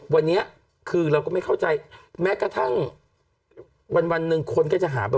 วันนี้คือเราก็ไม่เข้าใจแม้กระทั่งวันหนึ่งคนก็จะหาแบบ